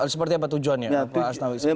seperti apa tujuannya pak asnawis